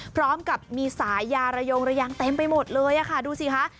พร้อมกับมีสายยาระยงระยางเต็มไปหมดเลยค่ะดูสิคะ